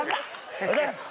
おはようございます